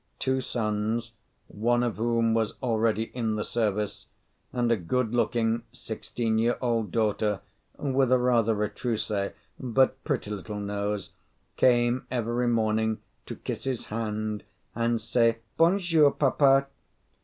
Two sons, one of whom was already in the service, and a good looking, sixteen year old daughter, with a rather retrousse but pretty little nose, came every morning to kiss his hand and say, "Bonjour, papa."